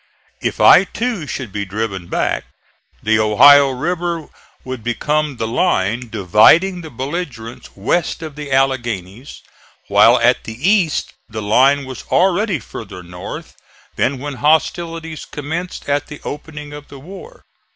If I too should be driven back, the Ohio River would become the line dividing the belligerents west of the Alleghanies, while at the East the line was already farther north than when hostilities commenced at the opening of the war.